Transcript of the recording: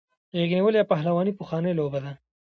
غیږ نیول یا پهلواني پخوانۍ لوبه ده.